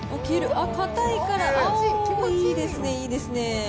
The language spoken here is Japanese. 硬いからああ、いいですね、いいですね。